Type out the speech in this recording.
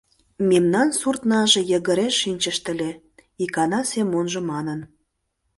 — Мемнан суртнаже йыгыре шинчышт ыле, — икана Семонжо манын.